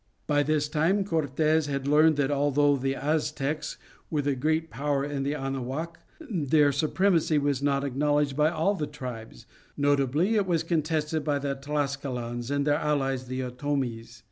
By this time Cortes had learned that although the Aztecs were the greatest power in Anahuac, their supremacy was not acknowledged by all the tribes; notably was it contested by the Tlascalans and their allies the Otomies.